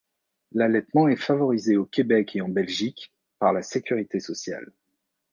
L'allaitement est favorisé au Québec et en Belgique par la Sécurité sociale.